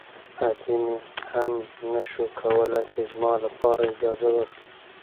ادې مې هم نه شوای کولی چې زما لپاره اجازه واخلي.